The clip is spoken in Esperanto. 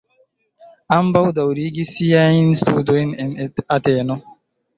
Ambaŭ daŭrigis siajn studojn en Ateno.